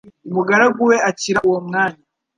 Umugaragu we akira uwo mwanya.»